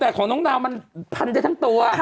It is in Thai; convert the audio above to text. แต่ของน้องนาวมันพันได้ทั้งตัว